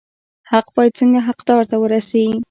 حق باید څنګه حقدار ته ورسي؟